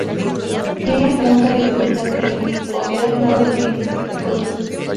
Tiene planta de cruz latina, con tres naves divididas por columnas.